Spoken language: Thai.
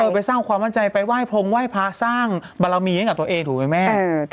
เออไปสร้างความมั่นใจไปไหว้พงไหว้ภาคสร้างบรรไลมีเองละตัวเองถูกหรือเปล่า